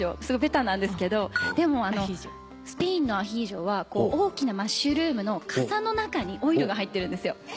すごいベタなんですけどでもスペインのアヒージョは大きなマッシュルームのかさの中にオイルが入ってるんですよ。